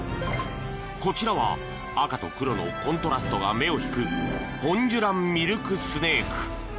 こちらは赤と黒のコントラストが目を引くホンジュランミルクスネーク。